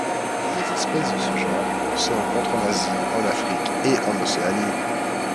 Les espèces de ce genre se rencontrent en Asie, en Afrique et en Océanie.